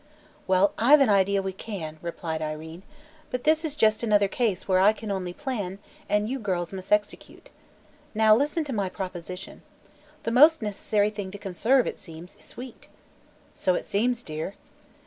"Well, I've an idea we can," replied Irene. "But this is just another case where I can only plan, and you girls must execute. Now, listen to my proposition. The most necessary thing to conserve, it seems, is wheat." "So it seems, dear."